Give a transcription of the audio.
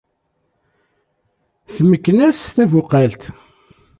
Tmekken-as tabuqalt.